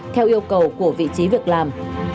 theo yêu cầu của vị trí việc làm